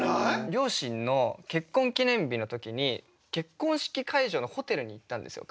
両親の結婚記念日の時に結婚式会場のホテルに行ったんですよ